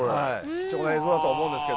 貴重な映像だとは思うんですけど。